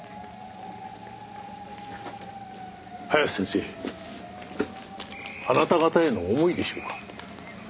早瀬先生あなた方への思いでしょうか？